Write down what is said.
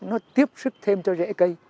nó tiếp sức thêm cho rễ cây